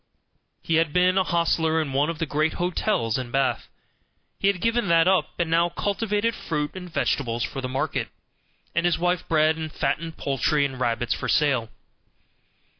He had been an hostler in one of the great hotels in Bath. He had given that up, and now cultivated fruit and vegetables for the market, and his wife bred and fattened poultry and rabbits for sale.